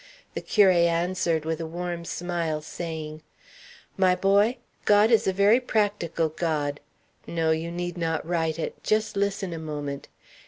The curé answered with a warm smile, saying: "My boy, God is a very practical God no, you need not write it; just listen a moment.